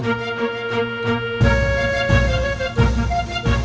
polisi mencuri kekuatan